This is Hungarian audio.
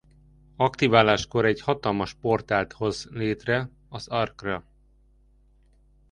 Aktiváláskor egy hatalmas portált hoz létre az Ark-ra.